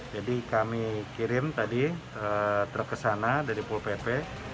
jadi kami kirim tadi terkesana dari pol pp